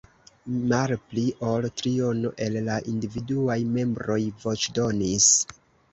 Malpli ol triono el la individuaj membroj voĉdonis.